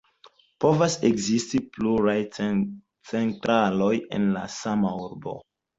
Povas ekzisti pluraj centraloj en la sama urbo.